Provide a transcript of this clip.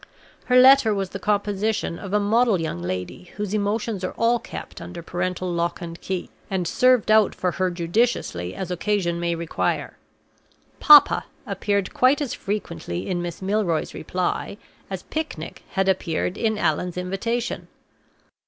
Her letter was the composition of a model young lady whose emotions are all kept under parental lock and key, and served out for her judiciously as occasion may require. "Papa," appeared quite as frequently in Miss Milroy's reply as "picnic" had appeared in Allan's invitation.